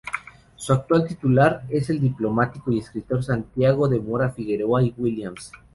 Su actual titular es el diplomático y escritor Santiago de Mora-Figueroa y Williams.